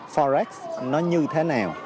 forex nó như thế nào